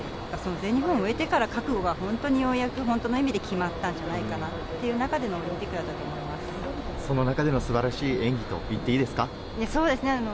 だから全日本を終えてから、覚悟が本当にようやく、本当の意味で決まったんじゃないかなという中でのオリンピックだその中でのすばらしい演技といや、そうですね。